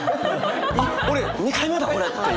あっ俺２回目だこれ！っていう。